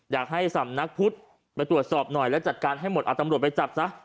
อยากให้สำนักพุทธไปตรวจสอบหน่อยแล้วจัดการให้หมดเอาตำรวจไปจับซะ